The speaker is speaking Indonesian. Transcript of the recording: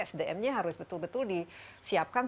sdm nya harus betul betul disiapkan